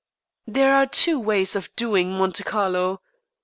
There are two ways of "doing" Monte Carlo.